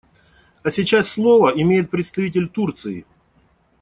А сейчас слово имеет представитель Турции.